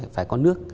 phải có nước